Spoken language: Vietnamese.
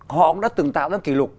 họ cũng đã từng tạo ra kỷ lục